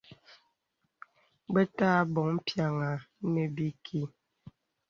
Bə̀ tə̀ abɔ̀ŋ pyàŋà nə̀ bìkì.